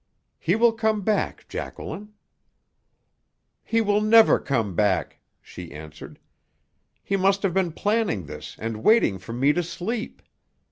"He will come back, Jacqueline." "He will never come back!" she answered. "He must have been planning this and waiting for me to sleep.